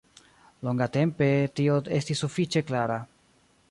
Longatempe tio estis sufiĉe klara.